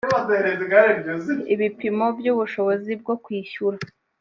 ibipimo by ubushobozi bwo kwishyura